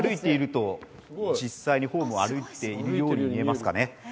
実際にホームを歩いているように見えますかね。